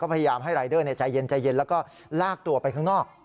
พยายามให้รายเดอร์ใจเย็นแล้วก็ลากตัวไปข้างนอก